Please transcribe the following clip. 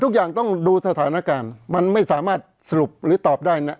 ทุกอย่างต้องดูสถานการณ์มันไม่สามารถสรุปหรือตอบได้นะ